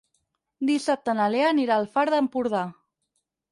Dissabte na Lea anirà al Far d'Empordà.